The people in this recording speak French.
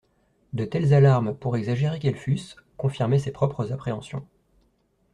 De telles alarmes pour exagérées qu'elles fussent, confirmaient ses propres appréhensions.